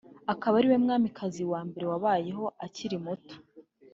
akaba ariwe mwamikazi wa mbere wabayeho akiri muto